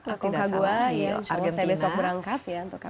akon kagwa yang insya allah saya besok berangkat ya untuk kabinet kesempatan